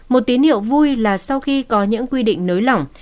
một tín hiệu vui là sau khi có những quy định nới lỏng